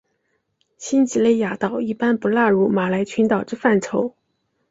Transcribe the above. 新几内亚岛一般不纳入马来群岛之范畴。